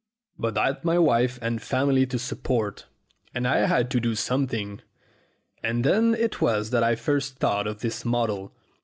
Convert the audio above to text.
But I'd my wife and family to support, and I had to do some thing, and then it was that I first thought of this model.